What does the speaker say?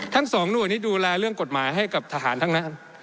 ทั้งสองหน่วยนี้ดูแลเรื่องกฎหมายให้กับทหารทั้งนั้น